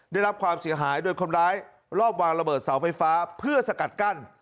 ได้รับความเสียหายโดยคนร้ายรอบวางระเบิดเสาไฟฟ้าเพื่อสกัดกั้น